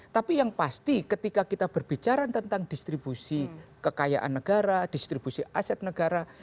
tapi yang pasti ketika kita berbicara tentang distribusi kekayaan negara distribusi aset negara